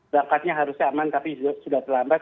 bakatnya harusnya aman tapi sudah terlambat